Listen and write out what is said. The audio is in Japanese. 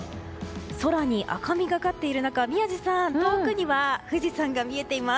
空に赤みがかっている中宮司さん、遠くには富士山が見えています。